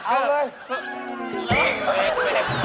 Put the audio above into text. เอาเลย